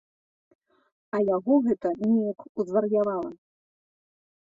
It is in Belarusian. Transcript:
А яго гэта неяк узвар'явала.